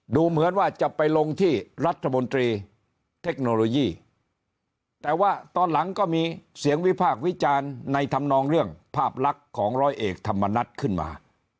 ดูเหมือนว่าจะไปลงที่รัฐมนตรีเทคโนโลยีแต่ว่าตอนหลังก็มีเสียงวิพากษ์วิจารณ์ในธรรมนองเรื่องภาพลักษณ์ของร้อยเอกธรรมนัฐขึ้นมา